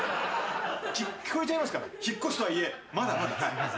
聞こえちゃいますから引っ越すとはいえまだすいません。